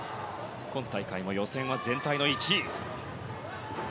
今大会も予選は全体の１位。